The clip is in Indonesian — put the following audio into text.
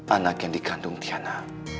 anak yang dikandung tiana